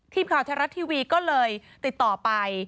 ทีมข่าวไทยรัฐทีวีก็เลยติดต่อไป